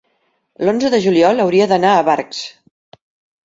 L'onze de juliol hauria d'anar a Barx.